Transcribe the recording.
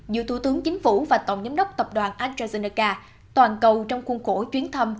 giữa thủ tướng chính phủ và tổng giám đốc tập đoàn astrazeneca toàn cầu trong khuôn cổ chuyến thăm